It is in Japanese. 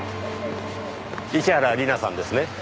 市原里奈さんですね？